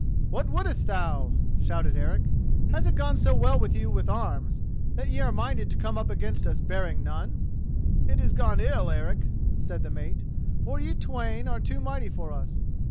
"What wouldest thou?" shouted Eric. "Has it gone so well with you with arms that ye are minded to come up against us bearing none?" "It has gone ill, Eric," said the mate, "for ye twain are too mighty for us.